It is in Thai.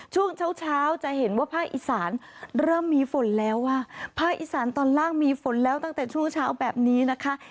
ช่วงเช้าเช้าจะเห็นว่าภาคอีสานเริ่มมีฝนแล้วอ่ะภาคอีสานตอนล่างมีฝนแล้วตั้งแต่ช่วงเช้าแบบนี้นะคะ